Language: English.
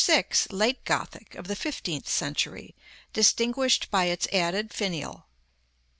6. late Gothic, of the fifteenth century, distinguished by its added finial.